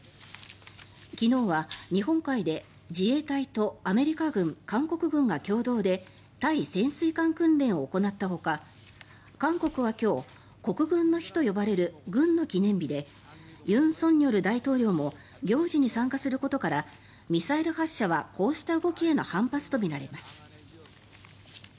昨日は、日本海で自衛隊とアメリカ軍、韓国軍が共同で対潜水艦訓練を行ったほか韓国は今日国軍の日と呼ばれる軍の記念日で尹錫悦大統領も行事に参加することからミサイル発射はこうした動きへの反発とみられます。